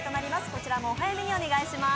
こちらもお早めにお願いします。